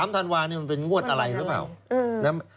ธันวานี่มันเป็นงวดอะไรหรือเปล่า